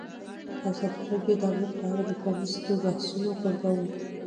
ازادي راډیو د امنیت په اړه د پرانیستو بحثونو کوربه وه.